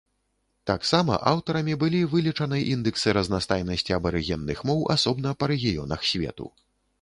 Таксама аўтарамі былі вылічаны індэксы разнастайнасці абарыгенных моў асобна па рэгіёнах свету.